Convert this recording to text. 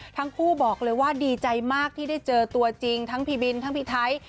ทั้งคู่บอกเลยว่าดีใจมากที่ได้เจอตัวจริงทั้งพี่บินทั้งพี่ไทย